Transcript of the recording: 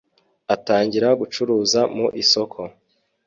atangira gucuruza mu isoko